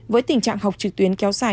với tình trạng học trực tuyến kéo dài